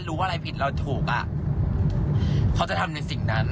รู้ว่าอะไรผิดเราถูกอ่ะเขาจะทำในสิ่งนั้น